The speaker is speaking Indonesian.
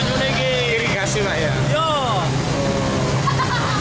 kenapa banjir ini besar